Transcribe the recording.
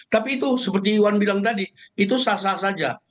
tapi itu seperti iwan bilang tadi itu sah sah saja